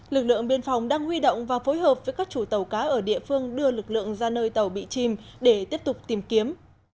lực lượng biên phòng đang huy động và phối hợp với các chủ tàu cá ở địa phương đưa lực lượng ra nơi tàu bị chìm để tiếp tục tìm kiếm